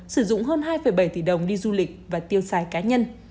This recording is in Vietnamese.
sử dụng hơn hai bảy tỷ đồng đi du lịch và tiêu xài cá nhân